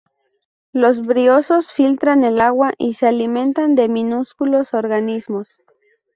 Los briozoos filtran el agua y se alimentan de minúsculos organismos.